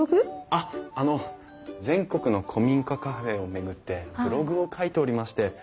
あっあの全国の古民家カフェを巡ってブログを書いておりまして。